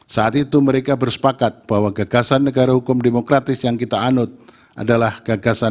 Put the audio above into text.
saat itu mereka bersepakat bahwa gagasan negara hukum demokratis yang kita anut adalah gagasan